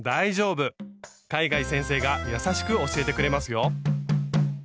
海外先生が優しく教えてくれますよ。